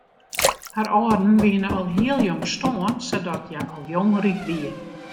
Har âlden wiene al hiel jong stoarn sadat hja al jong ryk wie.